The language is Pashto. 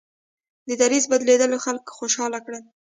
د دریځ بدلېدل خلک خوشحاله کړل.